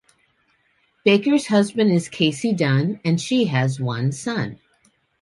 Baker's husband is Casey Dunn and she has one son.